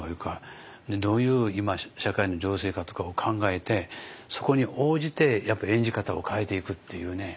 でどういう今社会の情勢かとかを考えてそこに応じてやっぱり演じ方を変えていくっていうね。